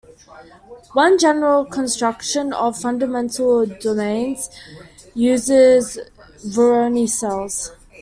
One general construction of fundamental domains uses Voronoi cells.